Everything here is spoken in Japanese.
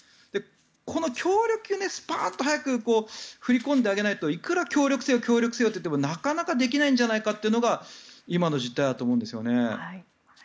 この協力金を、スパーンと早く振り込んであげないといくら協力せよと言ってもなかなかできないんじゃないかというのが今の実態だと思うんですよね。